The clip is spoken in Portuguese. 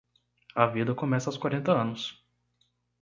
A vida começa aos quarenta anos.